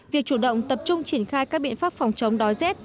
việc chủ động tập trung triển khai các biện pháp phòng chống đói rét